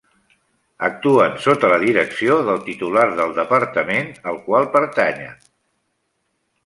Actuen sota la direcció del titular del departament al qual pertanyin.